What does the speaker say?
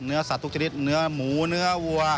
สัตว์ทุกชนิดเนื้อหมูเนื้อวัว